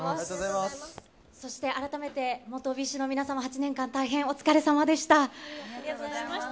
そして改めて、元ＢｉＳＨの皆様、８年間、ありがとうございました。